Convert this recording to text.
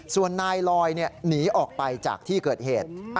ส่วนนายลอยหนีออกไปจากที่เกิดเหตุ